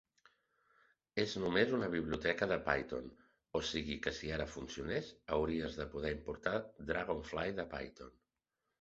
És només una biblioteca de Python, o sigui que si ara funcionés, hauries de poder importar dragonfly de Python.